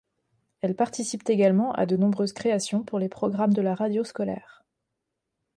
Elle participe également à de nombreuses créations pour les programmes de la radio scolaire.